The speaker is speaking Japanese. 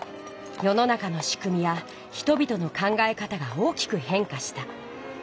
世の中のしくみや人々の考え方が大きくへんかした。